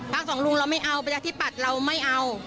สองลุงเราไม่เอาประชาธิปัตย์เราไม่เอา